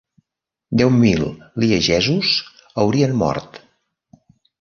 Deu mil liegesos haurien mort.